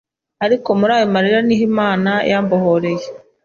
ariko muri ayo marira niho Imana yambohoreye,